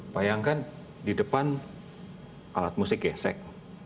bayangkan di depan alat musik gesek